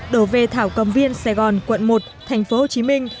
đổ về thảo cầm viên sài gòn quận một thành phố hồ chí minh